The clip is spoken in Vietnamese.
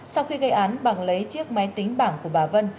sau khi gây án bằng lấy chiếc máy tính bảng của bà vân